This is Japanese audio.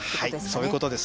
はいそういうことです。